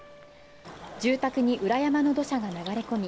住宅に裏山の土砂が流れ込み